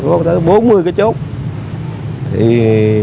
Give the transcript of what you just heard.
trong quá trình làm việc tại campuchia